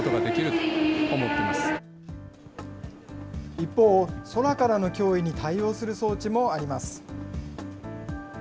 一方、空からの脅威に対応する装置もあります。